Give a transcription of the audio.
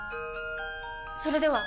それでは！